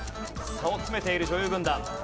差を詰めている女優軍団。